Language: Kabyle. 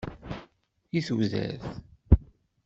I tudert!